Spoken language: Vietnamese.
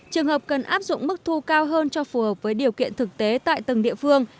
trường hợp cần áp dụng mức thu cao hơn cho phù hợp với điều kiện thực tế tại từng địa phương